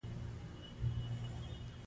دا کسان له ډېرو پیسو څخه ډېر خوند اخلي